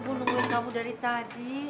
bu nungguin kamu dari tadi